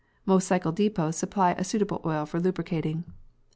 Most cycle depôts supply a suitable oil for lubricating.